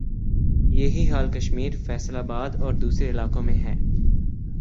یہ ہی حال کشمیر، فیصل آباد اور دوسرے علاقوں میں ھے